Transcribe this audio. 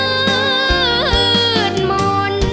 มืดหม่น